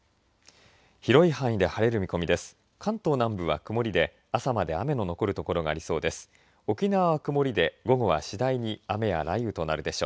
広い範囲で晴れる見込みです。